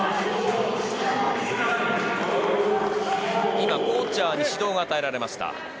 今、コーチャーに指導が与えられました。